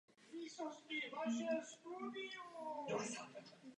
Později se jim narodila dcera Zuzana.